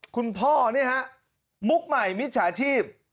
คุณพ่อนี่ฮะมุกใหม่มิจฉาชีพ